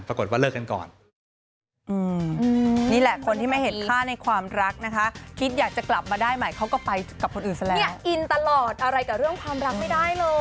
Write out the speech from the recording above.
ปรากฏว่าเลิกกันก่อน